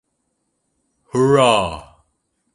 Hurrah!